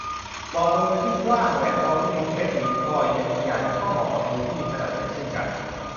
เหมาะบนมือที่กว้าง แหวนทองที่มีเพชรหรือพลอยเม็ดใหญ่ ก็เหมาะกับมือที่มีขนาดใหญ่เช่นกัน